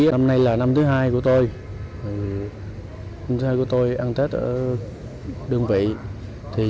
năm nay là năm thứ hai của tôi năm thứ hai của tôi ăn tết ở đương vị